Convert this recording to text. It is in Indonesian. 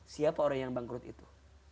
siapa orang yang bangkrut itu